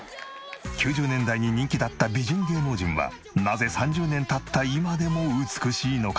９０年代に人気だった美人芸能人はなぜ３０年経った今でも美しいのか？